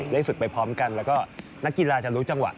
ได้ฝึกไปพร้อมกัน